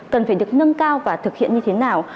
cần phải được nâng cao và thực hiện như thế nào